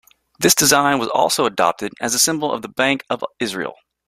This design was also adopted as the symbol of the Bank of Israel.